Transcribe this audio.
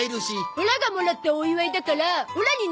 オラがもらったお祝いだからオラになんか買ってね！